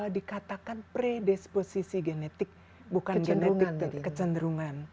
dikatakan predisposisi genetik bukan genetik kecenderungan